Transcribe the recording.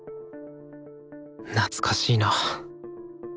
懐かしいな。